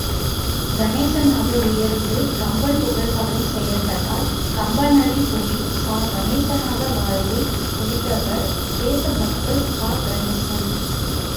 கணேசனாக உயர்ந்து, கம்பன் புகழ்பாடும் செயல்களால் கம்பனடிப்பொடி சா.கணேசனாக வாழ்ந்து முடித்தவர் தேசபக்தர் சா.கணேசன்.